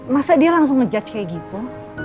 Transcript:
masa dia langsung ngejudge kayak gitu